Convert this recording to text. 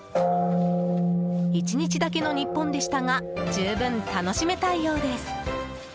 １日だけの日本でしたが十分楽しめたようです。